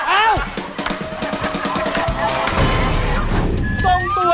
เอ้า